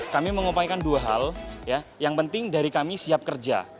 kami mengupayakan dua hal yang penting dari kami siap kerja